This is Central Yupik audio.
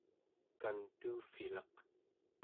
kantuuvvilaq